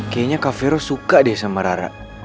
kayaknya kak vero suka deh sama rara